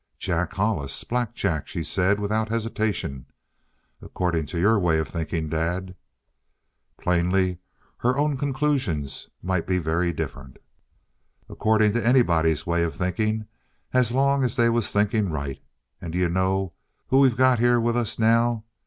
"Jack Hollis Black Jack," she said, without hesitation. "According to your way of thinking, Dad!" Plainly her own conclusions might be very different. "According to anybody's way of thinking, as long as they was thinking right. And d'you know who we've got here with us now?